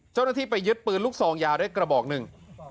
เจ้าหน้าที่ไปยึดปืนลูกซองยาวได้กระบอกหนึ่ง